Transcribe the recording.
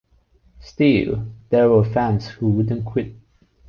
Still, there were fans who wouldn't quit.